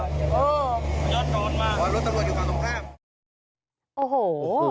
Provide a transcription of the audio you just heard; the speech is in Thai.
รถตำรวจอยู่ข้างตรงข้าง